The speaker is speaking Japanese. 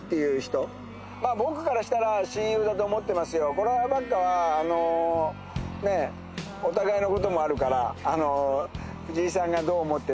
「こればっかはお互いのこともあるから」